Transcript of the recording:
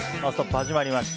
始まりました。